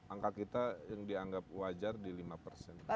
angka kita yang dianggap wajar di lima persen